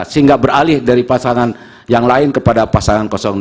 sehingga beralih dari pasangan yang lain kepada pasangan dua